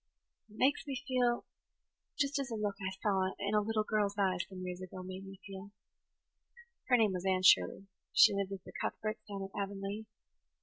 It makes me feel just as a look I saw in a little girl's eyes some years ago made me feel. Her name was Anne Shirley and she lived with the Cuthberts down at Avonlea.